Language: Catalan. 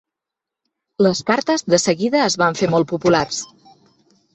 Les cartes de seguida es van fer molt populars.